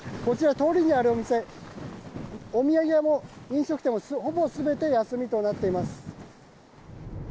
通りにあるお店お土産屋も、飲食店もほぼ全て休みとなっています。